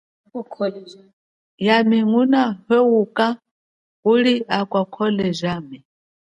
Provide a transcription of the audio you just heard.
Yami nguna komoka akwakhole jami.